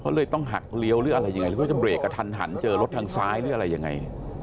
เลยต้องหักเลี้ยวหรืออะไรยังไงหรือว่าจะเรกกระทันหันเจอรถทางซ้ายหรืออะไรยังไง